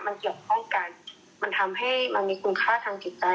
มันเกี่ยวกับพร่องการมันทำให้มันมีคุณค่าทางจิตใจค่ะ